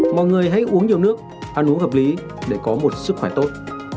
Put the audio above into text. mọi người hãy uống nhiều nước ăn uống hợp lý để có một sức khỏe tốt